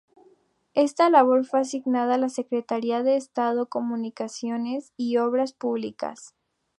Esta labor fue asignada a la Secretaría de Estado de Comunicaciones y Obras Públicas.